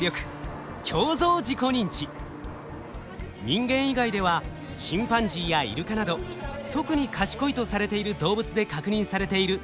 人間以外ではチンパンジーやイルカなど特に賢いとされている動物で確認されている高度な能力です。